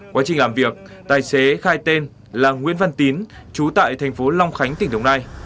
quá trình làm việc tài xế khai tên là nguyễn văn tín trú tại thành phố long khánh tỉnh đồng nai